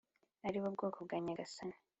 Ari bo bwoko bwa Nyagasani.